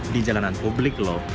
di jalanan publik lho